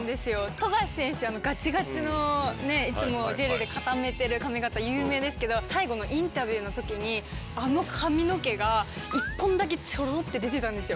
富樫選手はガチガチの、いつもジェルで固めてる髪形が有名ですけれども、最後のインタビューのときにあの髪の毛が１本だけちょろっと出てたんですよ。